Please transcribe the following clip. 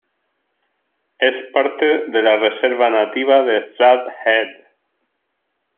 Es parte de la Reserva nativa de Flathead.